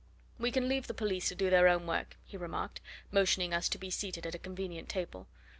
"We can leave the police to do their own work," he remarked, motioning us to be seated at a convenient table.